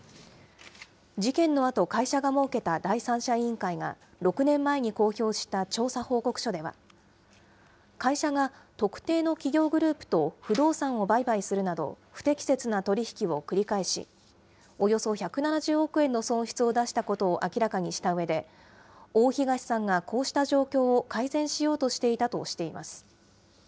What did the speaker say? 事件のあと、会社が設けた第三者委員会が６年前に公表した調査報告書では、会社が特定の企業グループと不動産を売買するなど、不適切な取り引きを繰り返し、およそ１７０億円の損失を出したことを明らかにしたうえで、大東さんがこうした状況を改善しようとしていたとしています。